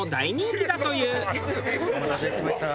お待たせしました。